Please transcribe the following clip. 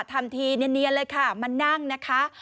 ทำทีเนียนเลยค่ะมานั่งนะคะ